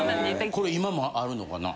これ今もあるのかな？